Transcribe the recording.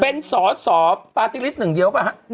เป็นสอสอปาร์ติฤทธิ์หนึ่งเดียวปะฮะ